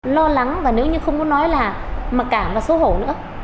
lo lắng và nếu như không có nói là mặc cảm và xấu hổ nữa